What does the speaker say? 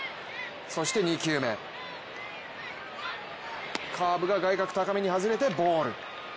そして２球目、カーブが外角高めに外れてボール。